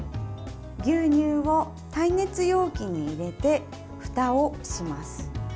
牛乳を耐熱容器に入れてふたをします。